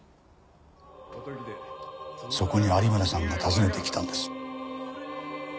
そこに有村さんが訪ねてきたんです。